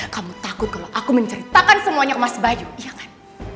kamu takut kalau aku menceritakan semuanya ke mas bayu iya kan